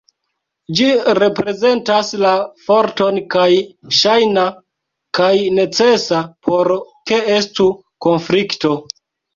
Ĝi reprezentas la forton kaj ŝajna kaj necesa por ke estu konflikto.